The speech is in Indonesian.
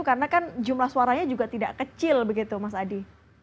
karena kan jumlah suaranya juga tidak kecil begitu mas adi